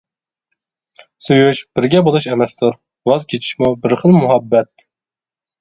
سۆيۈش بىرگە بولۇش ئەمەستۇر، ۋاز كېچىشمۇ بىر خىل مۇھەببەت.